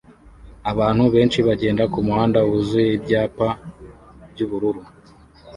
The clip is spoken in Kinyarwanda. Abantu benshi bagenda kumuhanda wuzuye ibyapa byubururu